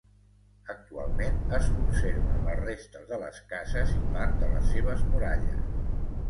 Actualment es conserven les restes de les cases i part de les seves muralles.